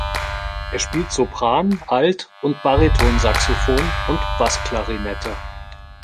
Er spielt Sopran-, Alt- und Baritonsaxophon und Bassklarinette.